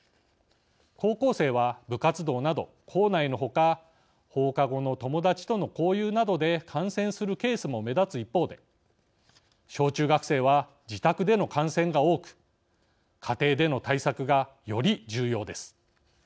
高校生は部活動など、校内のほか放課後の友達との交遊などで感染するケースも目立つ一方で小中学生は、自宅での感染が多く家庭での対策がより重要です。